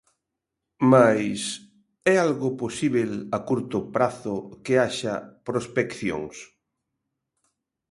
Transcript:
Mais, é algo posíbel a curto prazo que haxa prospeccións?